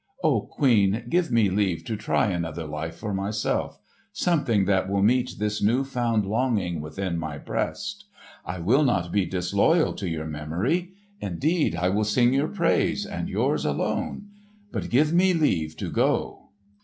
O queen, give me leave to try another life for myself—something that will meet this new found longing within my breast! I will not be disloyal to your memory. Indeed, I will sing your praise, and yours alone. But give me leave to go!"